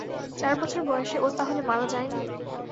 চার বছর বয়সে ও তাহলে মারা যায় নি?